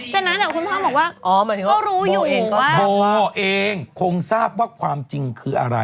แต่นั้นแต่ว่าคุณพ่อบอกว่าก็รู้อยู่ว่าอ๋อหมายถึงว่าโบเองคงทราบว่าความจริงคืออะไร